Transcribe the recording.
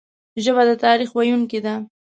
ژبه د تاریخ ویونکي ده